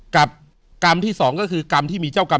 กรรมที่สองก็คือกรรมที่มีเจ้ากรรม